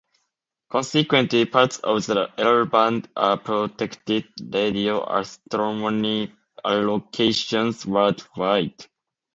Consequently, parts of the L-band are protected radio astronomy allocations worldwide.